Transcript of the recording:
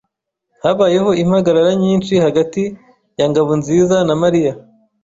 Habayeho impagarara nyinshi hagati ya Ngabonziza na Mariya.